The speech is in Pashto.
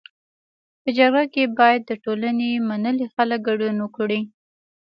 په جرګه کي باید د ټولني منلي خلک ګډون وکړي.